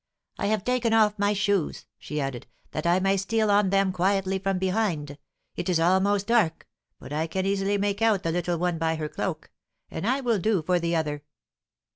"I have taken off my shoes," she added, "that I may steal on them quietly from behind. It is almost dark; but I can easily make out the little one by her cloak, and I will do for the other."